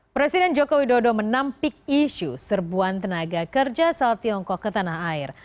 presiden joko widodo menampik isu serbuan tenaga kerja asal tiongkok ke tanah air